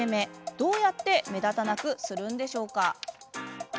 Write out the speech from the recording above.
どうやって目立たなくするんでしょうか？